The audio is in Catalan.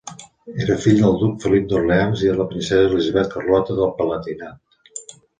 Era fill del duc Felip d'Orleans i de la princesa Elisabet Carlota del Palatinat.